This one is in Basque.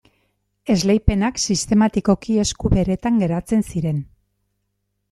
Esleipenak sistematikoki esku beretan geratzen ziren.